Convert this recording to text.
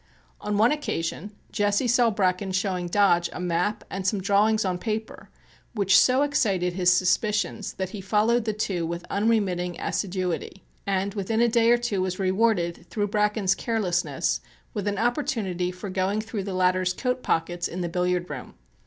On one occasion Jesse saw Bracken showing Dodge a map and some drawings on paper, which so excited his suspicions that he followed the two with unremitting assiduity, and within a day or two was rewarded through Bracken's carelessness with an opportunity for going through the latter's coat pockets in the billiard room.